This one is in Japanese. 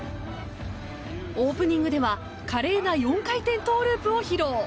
オープニングでは華麗な４回転トゥーループを披露。